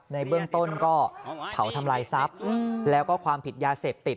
ในเบื้องต้นก็เผาทำลายทรัพย์แล้วก็ความผิดยาเสพติด